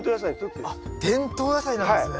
あっ伝統野菜なんですね。